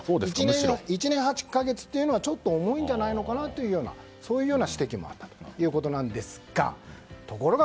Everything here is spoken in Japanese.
１年８か月というのはちょっと重いのではというそういうような指摘もあったということなんですがところが